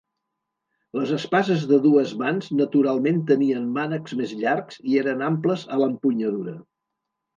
Les espases de dues mans naturalment tenien mànecs més llargs i eren amples a l'empunyadura.